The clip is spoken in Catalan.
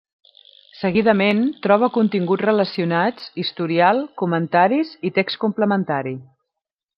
Seguidament, troba continguts relacionats, historial, comentaris i text complementari.